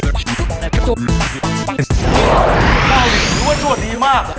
นี่ว่าตัวดีมาก